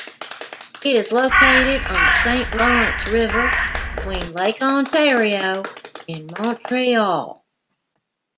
It is located on the Saint Lawrence River between Lake Ontario and Montreal.